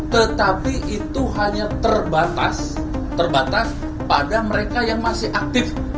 tetapi itu hanya terbatas terbatas pada mereka yang masih aktif